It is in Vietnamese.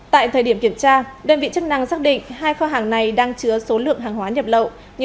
tại thời điểm kiểm tra đơn vị chức năng xác định hai kho hàng này đang chứa số lượng hàng hóa nhập lậu như